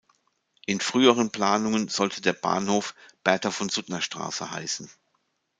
In früheren Planungen sollte der Bahnhof "Bertha-von-Suttner-Straße" heißen.